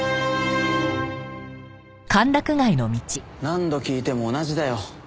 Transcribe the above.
何度聞いても同じだよ。